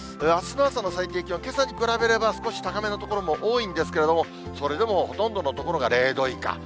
あすの朝の最低気温、けさに比べれば少し高めの所も多いんですけれども、それでもほとんどの所が０度以下。